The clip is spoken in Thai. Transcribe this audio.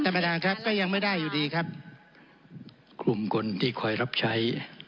ท่านประธานครับก็ยังไม่ได้อยู่ดีครับกลุ่มคนที่คอยรับใช้